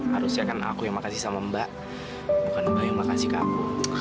harusnya kan aku yang makasih sama mbak bukan mbak yang makasih ke aku